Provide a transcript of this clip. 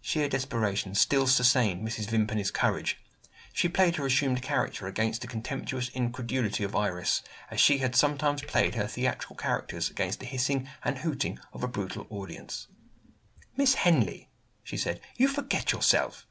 Sheer desperation still sustained Mrs. Vimpany's courage. She played her assumed character against the contemptuous incredulity of Iris, as she had sometimes played her theatrical characters against the hissing and hooting of a brutal audience. "Miss Henley," she said, "you forget yourself!"